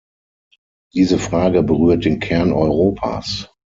Diese Frage berührt den Kern Europas.